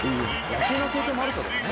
野球の経験もあるそうですね。